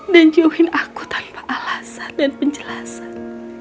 dan jauhin aku tanpa alasan dan penjelasan